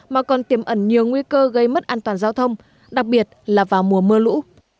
mà còn tiềm ẩn nhiều nguy cơ gây mất an toàn giao thông đặc biệt là vào mùa mưa lũ